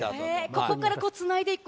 そこからつないでいく。